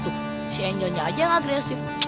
tuh si angelnya aja yang agresif